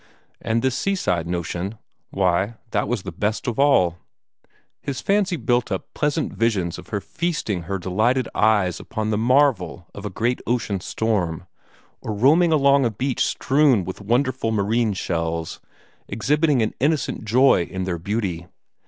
And this seaside notion why, that was best of all. His fancy built up pleasant visions of her feasting her delighted eyes upon the marvel of a great ocean storm, or roaming along a beach strewn with wonderful marine shells, exhibiting an innocent joy in their beauty.